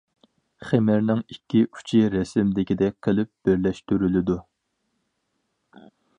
خېمىرنىڭ ئىككى ئۇچى رەسىمدىكىدەك قىلىپ بىرلەشتۈرۈلىدۇ.